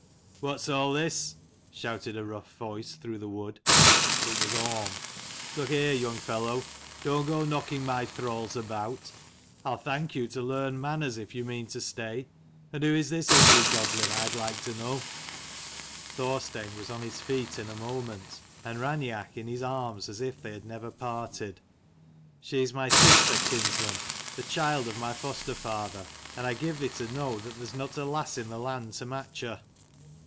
"What's all this?" shouted a rough voice through the wood. It was Orm. " Look here, young fellow, don't go knocking my thralls about: I'll thank you to learn manners, if you mean to stay. And who is this ugly goblin, I'd like to know ?" Thorstein was on his feet in a moment, and Raineach in his arms as if they had never parted. " She's my sister, kinsman : the child of my foster father. And I give thee to know, that there's not a lass in the land to match her."